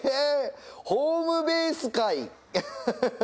ホームベースかい。